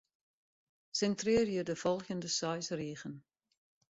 Sintrearje de folgjende seis rigen.